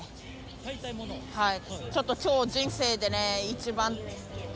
はい。